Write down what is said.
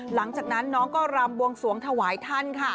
หลังจากนั้นน้องก็รำบวงสวงถวายท่านค่ะ